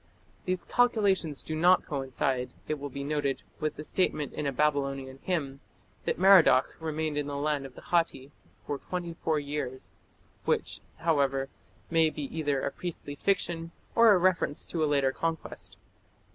These calculations do not coincide, it will be noted, with the statement in a Babylonian hymn, that Merodach remained in the land of the Hatti for twenty four years, which, however, may be either a priestly fiction or a reference to a later conquest.